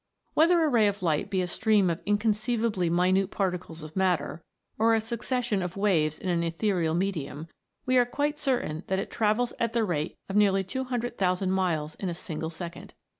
Whether a ray of light be a stream of incon ceivably minute particles of matter, or a succession of waves in an ethereal medium, we are quite certain that it travels at the rate of nearly two hundred thousand miles in a single second.